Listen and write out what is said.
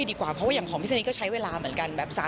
เพราะว่าถ้าอย่างผอมพิธีนี้ก็ใช้เวลาเหมือนกัน